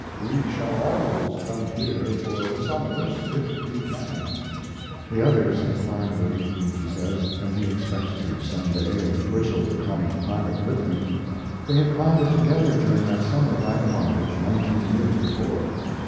We shall always come here for the summers if we can. The others have climbed the Rigi, he says, and he expects to some day if Twichell will come and climb it with him. They had climbed it together during that summer vagabondage, nineteen years before.